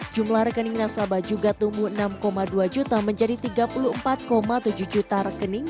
jumlah rekening nasabah juga tumbuh enam dua juta menjadi tiga puluh empat tujuh juta rekening